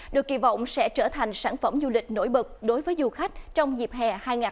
được kỳ vọng sẽ trở thành sản phẩm du lịch nổi bật đối với du khách trong dịp hè hai nghìn hai mươi bốn